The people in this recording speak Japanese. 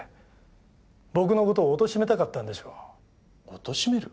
おとしめる？